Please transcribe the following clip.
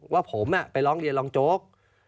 ว่าผมไปร้องเรียนรองโจ๊ก